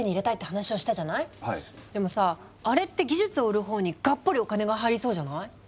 でもさあれって技術を売る方にがっぽりお金が入りそうじゃない？